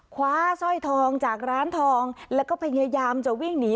คว้าสร้อยทองจากร้านทองแล้วก็พยายามจะวิ่งหนี